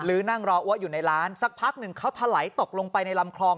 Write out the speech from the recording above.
นั่งรออัวอยู่ในร้านสักพักหนึ่งเขาถลายตกลงไปในลำคลอง